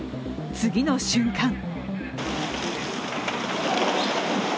次の瞬間